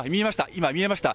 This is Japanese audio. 今、見えました。